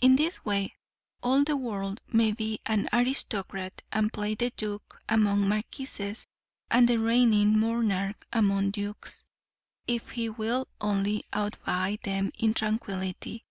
In this way, all the world may be an aristocrat, and play the duke among marquises, and the reigning monarch among dukes, if he will only outvie them in tranquillity.